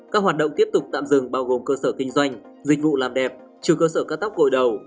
các hoạt động tiếp tục tạm dừng bao gồm cơ sở kinh doanh dịch vụ làm đẹp trừ cơ sở cắt tóc gội đầu